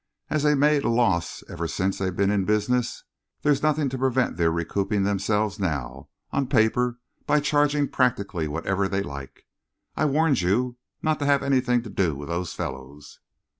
"As they've made a loss ever since they've been in business, there's nothing to prevent their recouping themselves now, on paper, by charging practically whatever they like. I warned you not to have anything to do with those fellows."